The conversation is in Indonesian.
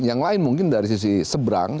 yang lain mungkin dari sisi seberang